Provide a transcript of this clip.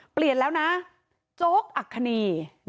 เปลี่ยนแล้วนะโจ๊กอัคคณี